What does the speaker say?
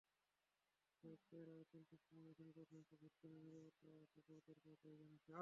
তাই তাঁরা এখন সুষ্ঠু নির্বাচনের পাশাপাশি ভোটকেন্দ্রে নিরাপত্তাব্যবস্থা জোরদার করার দাবি জানাচ্ছেন।